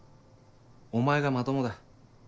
お前がまともだ。